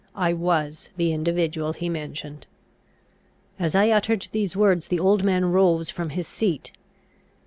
I was the individual he mentioned. As I uttered these words the old man rose from his seat.